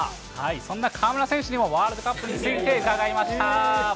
そんな河村選手にも、ワールドカップについて伺いました。